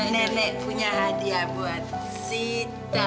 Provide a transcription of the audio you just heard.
nenek punya hadiah buat si